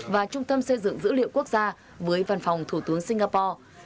và trung tâm xây dựng dữ liệu quốc gia với văn phòng thủ tướng singapore